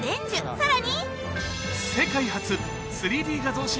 さらに。